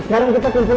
sekarang kita tidur